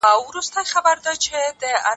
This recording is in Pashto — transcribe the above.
د هر چا نظر ته په درناوي وګورئ.